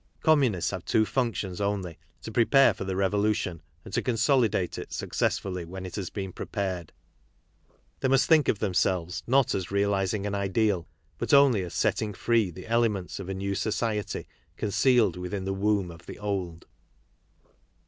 Communists have two functions only, to prepare for the ■revolution, and to consolidate it successfully when it has been prepared. They must think of themselves not as realizing an ideal, but only as setting free the ele ments of a new societ}^ concealed within the womb of the old.